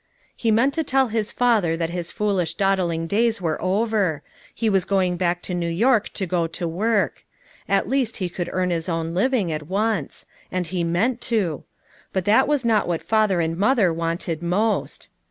He meant to tell his father that his foolish FOUB MOTHERS AT CHAUTAUQUA 349 dawdling days were over; he wan going hack to New York to go to work; at least he could earn his own living, at once* and he meant to; but that was not what father and mother wanted most.